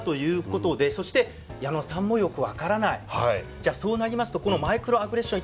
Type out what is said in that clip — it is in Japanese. じゃあそうなりますとこのマイクロアグレッション